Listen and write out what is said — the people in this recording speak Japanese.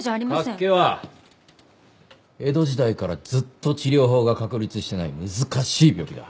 脚気は江戸時代からずっと治療法が確立していない難しい病気だ。